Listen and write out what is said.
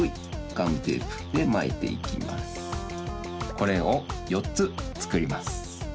これをよっつつくります。